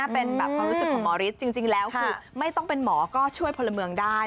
เป็นแบบความรู้สึกของหมอฤทธิ์จริงแล้วคือไม่ต้องเป็นหมอก็ช่วยพลเมืองได้